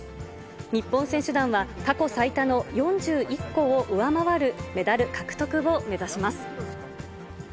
日本選手団は過去最多の４１個を上回るメダル獲得を目指します。